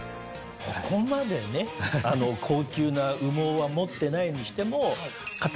ここまでね高級な羽毛は持ってないにしても。